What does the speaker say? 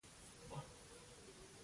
دوی د نوماندۍ کاغذونه کمېسیون ته وړي.